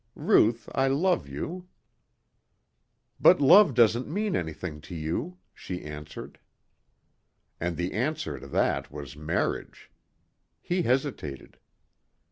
Ruth, I love you." "But love doesn't mean anything to you," she answered. And the answer to that was marriage. He hesitated.